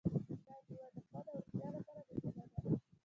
دا مېوه د خوند او روغتیا لپاره مهمه ده.